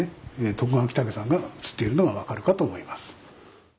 徳川昭武さんが写っているのが分かるかと思います。